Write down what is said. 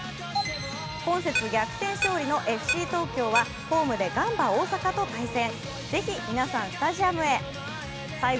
懇切逆転勝利のＦＣ東京はホームでガンバ大阪と対戦。